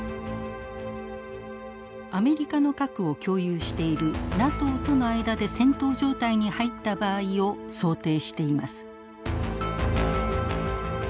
アメリカの核を共有しているＮＡＴＯとの間で戦闘状態に入った場合を想定しています。